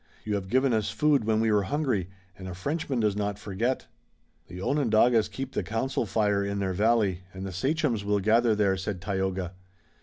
You have given us food when we were hungry, and a Frenchman does not forget." "The Onondagas keep the council fire in their valley, and the sachems will gather there," said Tayoga.